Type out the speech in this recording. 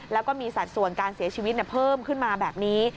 แล้วก็มีสัดส่วนการเสียชีวิตเพิ่มขึ้นมาแบบนี้